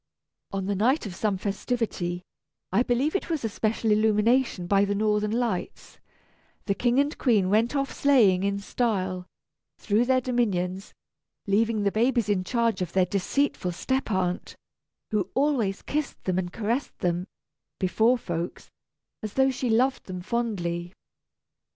On the night of some festivity (I believe it was a special illumination by the Northern Lights), the King and Queen went off sleighing in style, through their dominions, leaving the babies in charge of their deceitful step aunt, who always kissed them and caressed them, before folks, as though she loved them fondly.